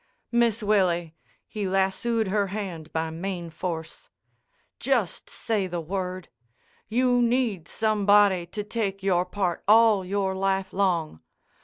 Miss Willie"—he lassooed her hand by main force—"just say the word. You need somebody to take your part all your life long.